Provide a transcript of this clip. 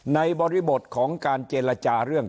บริบทของการเจรจาเรื่อง